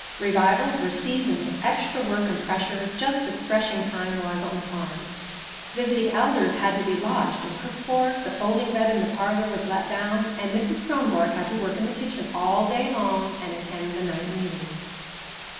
Revivals were seasons of extra work and pressure, just as threshing time was on the farms. Visiting elders had to be lodged and cooked for, the folding bed in the parlor was let down, and Mrs. Kronborg had to work in the kitchen all day long and attend the night meetings.